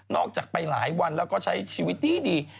จากไปหลายวันแล้วก็ใช้ชีวิตดี